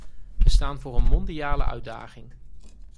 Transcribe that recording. Wij staan voor een mondiale uitdaging.